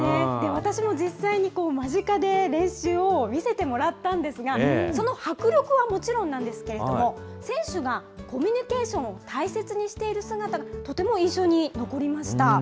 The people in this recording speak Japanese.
私も実際に間近で練習を見せてもらったんですが、その迫力はもちろんなんですけれども、選手がコミュニケーションを大切にしている姿がとても印象に残りました。